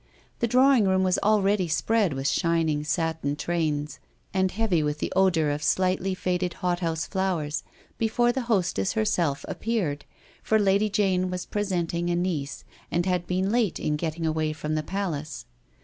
The drawing room was already spread with shining satin trains, and heavy with the odour of slightly faded hothouse flowers, be fore the hostess herself appeared ; for Lady Jane was presenting a niece, and had been late in getting away from the Palace.